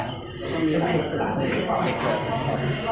เด็กสลาค